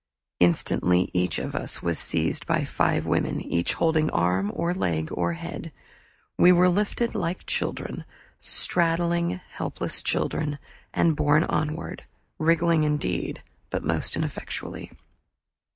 Instantly each of us was seized by five women, each holding arm or leg or head; we were lifted like children, straddling helpless children, and borne onward, wriggling indeed, but most ineffectually.